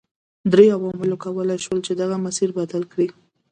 درې عواملو کولای شول چې دغه مسیر بدل کړي.